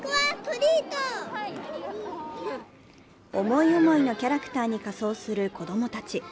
思い思いのキャラクターに仮装する子供たち。